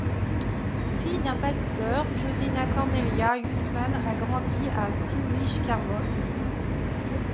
Fille d'un pasteur, Josina Cornelia Huisman a grandi à Steenwijkerwold.